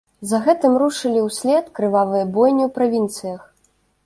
За гэтым рушылі ўслед крывавыя бойні ў правінцыях.